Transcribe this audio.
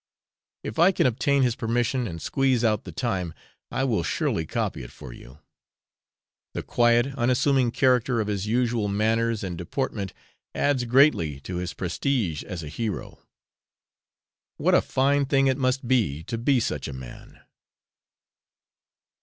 If I can obtain his permission, and squeeze out the time, I will surely copy it for you. The quiet unassuming character of his usual manners and deportment adds greatly to his prestige as a hero. What a fine thing it must be to be such a man!